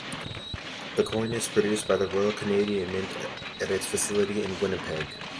The coin is produced by the Royal Canadian Mint at its facility in Winnipeg.